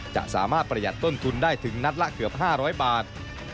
จะสามารถประหยัดต้นทุนได้ถึงนัดละเกือบ๕๐๐บาท